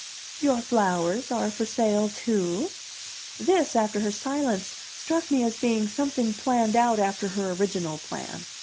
"Your flowers are for sale, too?" This, after her silence, struck me as being something planned out after her original plan.